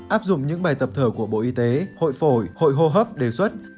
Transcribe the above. áp dụng những bài tập thở của bộ y tế hội phổi hội hô hấp đề xuất